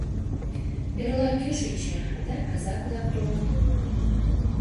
Эрла, кӧ шинча, адак казак-влак толыт.